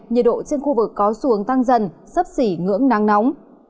nhiệt độ trên khu vực có xuống tăng dần sấp xỉ ngưỡng nắng nóng